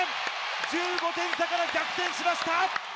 １５点差から逆転しました。